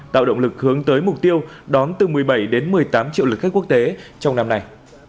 tạo động lực hướng tới mục tiêu đón từ một mươi bảy đến một mươi tám triệu lượt khách quốc tế trong năm nay